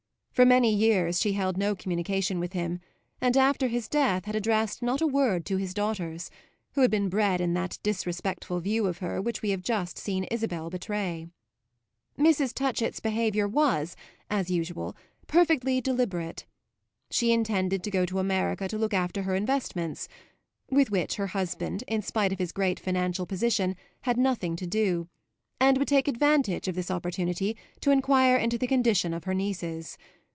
For many years she held no communication with him and after his death had addressed not a word to his daughters, who had been bred in that disrespectful view of her which we have just seen Isabel betray. Mrs. Touchett's behaviour was, as usual, perfectly deliberate. She intended to go to America to look after her investments (with which her husband, in spite of his great financial position, had nothing to do) and would take advantage of this opportunity to enquire into the condition of her nieces.